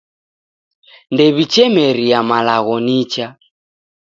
Ndew'ichemeria malagho nicha.